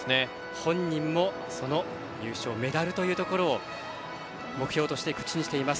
本人も優勝メダルというところを目標として口にしています。